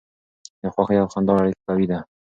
د خوښۍ او خندا اړیکه قوي ده.